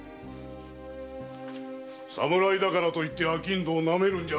侍だからといって商人をなめるんじゃないぞ。